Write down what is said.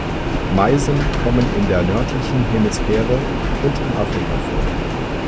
Meisen kommen in der nördlichen Hemisphäre und in Afrika vor.